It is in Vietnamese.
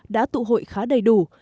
đã tụ hội khá đầy đủ